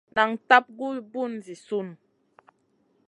Nan tab gu bùn zi sùn.